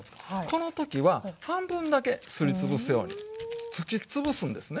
この時は半分だけすり潰すようにつき潰すんですね。